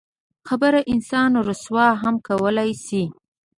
خبره انسان رسوا هم کولی شي.